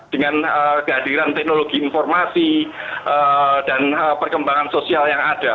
dengan kehadiran teknologi informasi dan perkembangan sosial yang ada